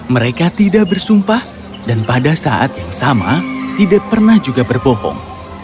mereka tidak bersumpah dan pada saat yang sama tidak pernah juga berbohong